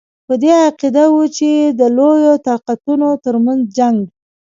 په دې عقیده وو چې د لویو طاقتونو ترمنځ جنګ.